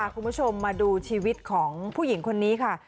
คุณผู้ชมมาดูชีวิตของผู้หญิงคนนี้ค่ะ